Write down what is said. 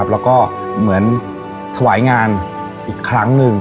แล้วก็เหมือนถวายงานอีกครั้งหนึ่ง